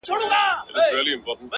• له تېغونو به سرې ويني راڅڅېږي ,